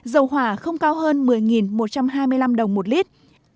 xăng r chín mươi năm không cao hơn một mươi một trăm hai mươi năm đồng một lít